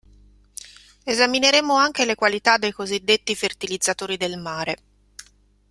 Esamineremo anche le qualità dei così detti fertilizzatori del mare.